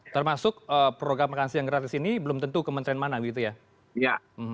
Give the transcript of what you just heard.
termasuk program makan siang gratis ini belum tentu kementerian mana begitu ya